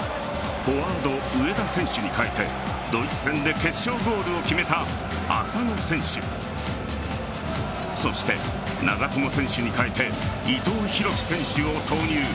フォワード・上田選手に代えてドイツ戦で決勝ゴールを決めた浅野選手そして、長友選手に代えて伊藤洋輝選手を投入。